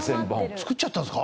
造っちゃったんですか？